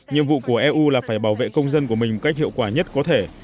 nhiệm vụ của eu là phải bảo vệ công dân của mình cách hiệu quả nhất có thể